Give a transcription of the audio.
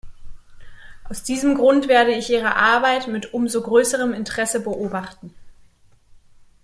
Aus diesem Grund werde ich Ihre Arbeit mit umso größerem Interesse beobachten.